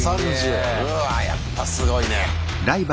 うわぁやっぱすごいね。